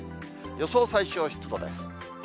予想最小湿度です。